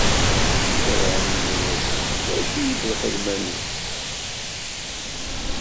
Ferɛun inna-yasen: D acu i d lxedma-nwen?